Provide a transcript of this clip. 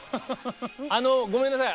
あのごめんなさい